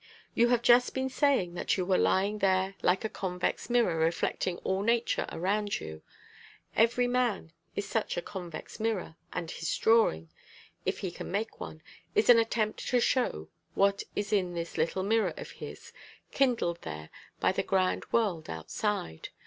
You have just been saying that you were lying there like a convex mirror reflecting all nature around you. Every man is such a convex mirror; and his drawing, if he can make one, is an attempt to show what is in this little mirror of his, kindled there by the grand world outside.